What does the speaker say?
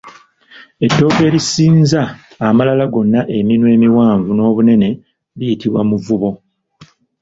Ettooke erisinza amalala gonna eminwe emiwanvu n'obunene liitibwa Muvubo.